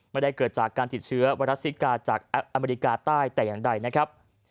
ไม่ได้เกิดจากการติดเชื้อไวรัสซิกาจากอเมริกาใต้แต่อย่างใดนะครับ